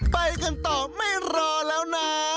ไปกันต่อไม่รอแล้วนะ